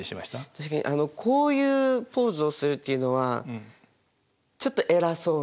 確かにあのこういうポーズをするっていうのは偉そうな。